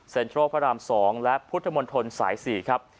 เซ็นทรัลพระราม๒และพุทธมณฑลสาย๔ครับ